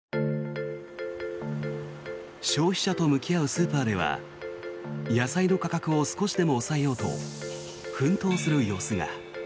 消費者と向き合うスーパーでは野菜の価格を少しでも抑えようと奮闘する様子が。